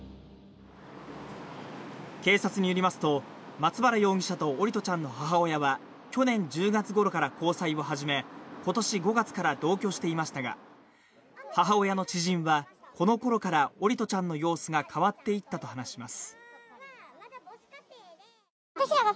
警察によりますと松原容疑者と桜利斗ちゃんの母親は去年１０月ごろから交際を始め今年５月から同居していましたが母親の知人は、このころから桜利斗ちゃんの様子が変わっていったと話します。